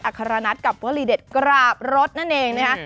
อาคารนัทกับวลีเด็ดกราบรถนั่นเองนะคะ